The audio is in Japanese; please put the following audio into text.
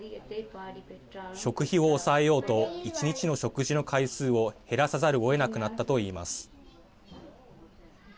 食費を抑えようと１日の食事の回数を減らさざるをえなくなったと言います。